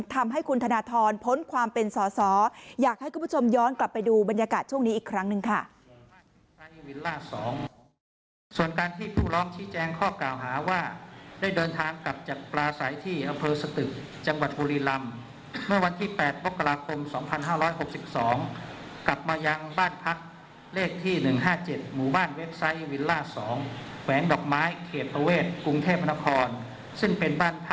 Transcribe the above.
ทำให้คุณธนทรพ้นความเป็นสอสออยากให้คุณผู้ชมย้อนกลับไปดูบรรยากาศช่วงนี้อีกครั้งหนึ่งค่ะ